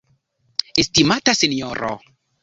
Estimata Sinjoro!